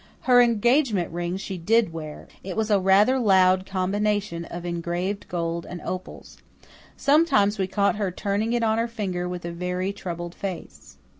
Her engagement ring she did wear it was a rather "loud" combination of engraved gold and opals. Sometimes we caught her turning it on her finger with a very troubled face.